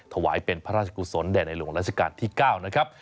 ถวายเป็นพระราชกุศลแด่ในหลวงราชการที่๙นะครับ